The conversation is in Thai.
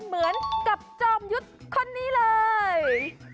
เหมือนกับจอมยุทธ์คนนี้เลย